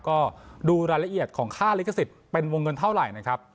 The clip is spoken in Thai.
ก็ดูรายละเอียดของค่าลิขสิทธิ์เป็นวงเงินเท่าไหร่นะครับ